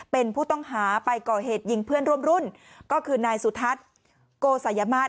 เป็นผู้ต้องหาไปก่อเหตุยิงเพื่อนร่วมรุ่นก็คือนายสุทัศน์โกสัยมาศ